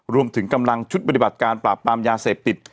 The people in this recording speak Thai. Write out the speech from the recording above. รวมถึงกำลังชุดปฏิบัติการปราบปรามยาเสพติด